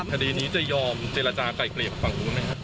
ทดีนี้จะยอมเจรจาไก่เกลียดกับฝั่งกูมั้ยครับ